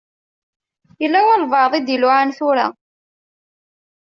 Yella walebɛaḍ i d-iluɛan tura.